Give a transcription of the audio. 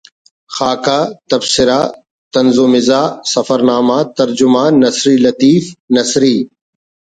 خاکہ ، تبصرہ ، طنز ومزاح ، سفر نامہ، ترجمہ ، نثری لطیف (نثری